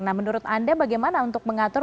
nah menurut anda bagaimana untuk mengatur